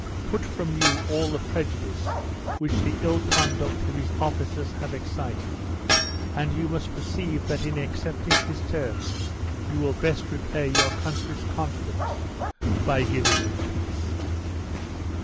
Put from you all the prejudice which the ill conduct of his officers have excited, and you must perceive that in accepting his terms you will best repay your country's confidence by giving it peace."